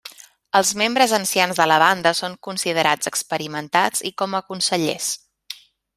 Els membres ancians de la banda són considerats experimentats i com a consellers.